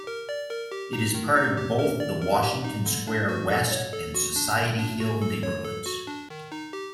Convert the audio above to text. It is part of both the Washington Square West and Society Hill neighborhoods.